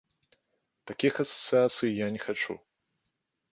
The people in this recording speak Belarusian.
Такіх асацыяцый я не хачу.